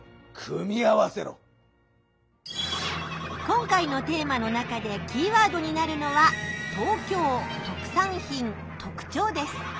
今回のテーマの中でキーワードになるのは「東京」「特産品」「特徴」です。